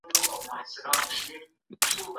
ایا د سهار په ورزش کي د تنفس تمرین کول سږي قوي کوي؟